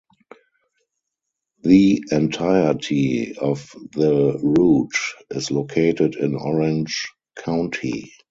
The entirety of the route is located in Orange County.